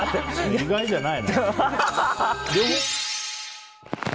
意外じゃないよ。